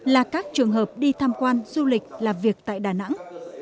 là các trường hợp đi tham quan du lịch làm việc tại đà nẵng